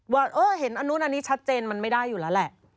ว่าเออเห็นอันนู้นอันนี้ชัดเจนมันไม่ได้อยู่แล้วแหละ